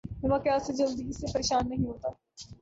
میں واقعات سے جلدی سے پریشان نہیں ہوتا